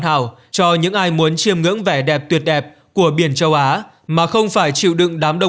thảo cho những ai muốn chiêm ngưỡng vẻ đẹp tuyệt đẹp của biển châu á mà không phải chịu đựng đám đông